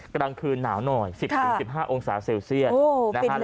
กลางคืนหนาวหน่อยสิบถึงสิบห้าองศาเซลเซียสโอ้เป็นเลย